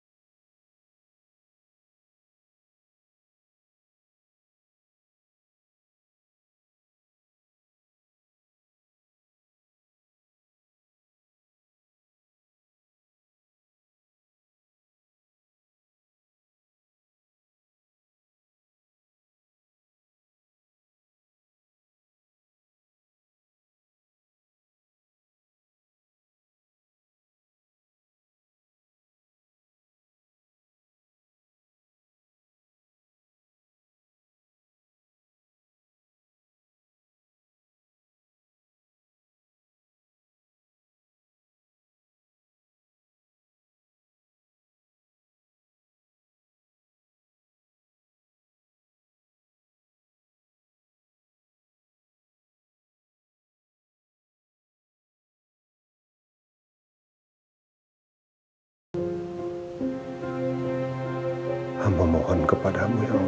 simpan di ac